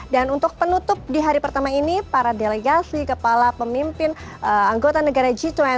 dan untuk penutup di hari pertama ini para delegasi kepala pemimpin anggota negara g dua puluh